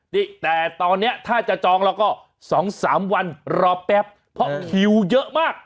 นี่แต่ตอนนี้ถ้าจะจองแล้วก็๒๓วันรอแป๊บเพราะคิวเยอะมาก